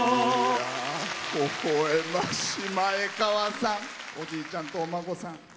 おじいちゃんとお孫さん。